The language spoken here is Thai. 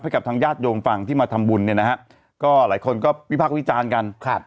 กับทางญาติโยมฝั่งที่มาทำบุญเนี่ยนะฮะก็หลายคนก็วิพักษ์วิจารณ์กันครับ